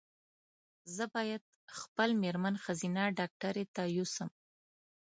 زه باید خپل مېرمن ښځېنه ډاکټري ته یو سم